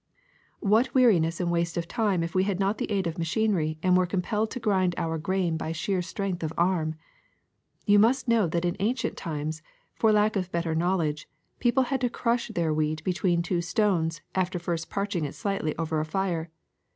*^What weariness and waste of time if we had not the aid of machinery and were compelled to grind our grain by sheer strength of arm ! You must know that in ancient times, for lack of better knowledge, people had to crush their wheat between two stones after first parching it slightly over a fire.